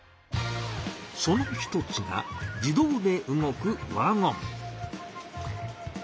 その一つが自動で動くワゴン。